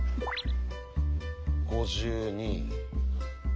５２。